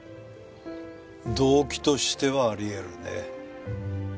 動機としてはありえるね。